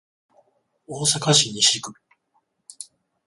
大阪市西区